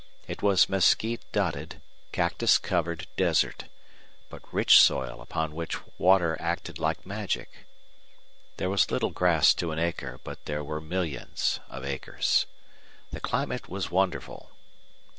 It was mesquite dotted, cactus covered desert, but rich soil upon which water acted like magic. There was little grass to an acre, but there were millions of acres. The climate was wonderful.